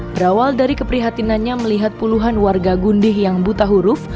berawal dari keprihatinannya melihat puluhan warga gundih yang buta huruf